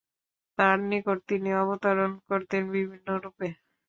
তার নিকট তিনি অবতরণ করতেন বিভিন্ন রূপে।